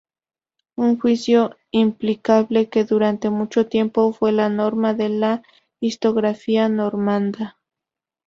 Un juicio implacable que durante mucho tiempo fue la norma en la historiografía normanda.